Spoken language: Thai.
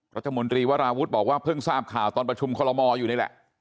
รัฐมนตรีวราวุฒิบอกว่าเพิ่งทราบข่าวตอนประชุมคอลโมอยู่นี่แหละ